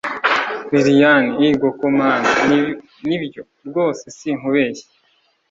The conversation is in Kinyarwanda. lilian egoko mana, nibyo rwose sinkubeshya